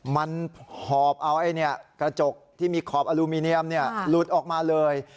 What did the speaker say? มันหอบเอากระจกที่มีขอบอลูมิเนียมหลุดออกมาเลย